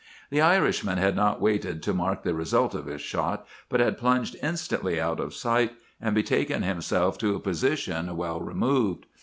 "The Irishman had not waited to mark the result of his shot, but had plunged instantly out of sight, and betaken himself to a position well removed.